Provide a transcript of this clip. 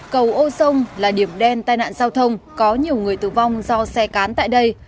cầu ô sông là điểm đen tai nạn giao thông có nhiều người tử vong do xe cán tại đây